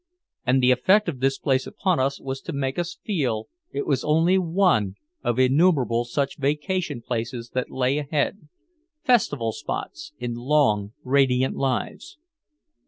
And the effect of this place upon us was to make us feel it was only one of innumerable such vacation places that lay ahead, festival spots in long, radiant lives.